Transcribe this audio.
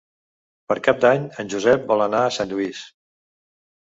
Per Cap d'Any en Josep vol anar a Sant Lluís.